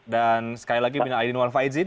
dan sekali lagi punya aydin walfaidzin